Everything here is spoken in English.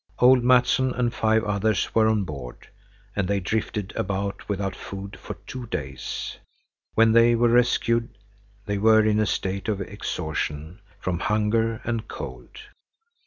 Old Mattsson and five others were on board, and they drifted about without food for two days. When they were rescued, they were in a state of exhaustion from hunger and cold.